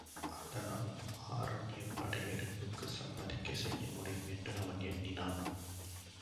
அதனால் ஆருணியைப் படையெடுப்புக்குச் சம்மதிக்கச் செய்ய முடியும் என்று அவன் எண்ணினான்.